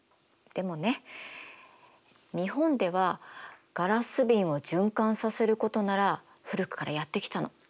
でもね日本ではガラス瓶を循環させることなら古くからやってきたの。